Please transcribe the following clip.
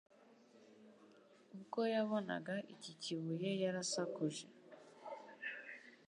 Ubwo yabonaga iki kibuye yarasakuje